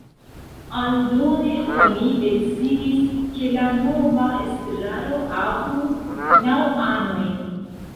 Aldone oni decidis, ke la nova estraro havu naŭ anojn.